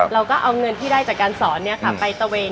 เราก็เอาเงินที่ได้จากการสอนไปตะเวนกินตามร้านอาหารต่าง